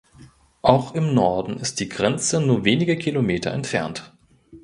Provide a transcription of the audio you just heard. Auch im Norden ist die Grenze nur wenige Kilometer entfernt.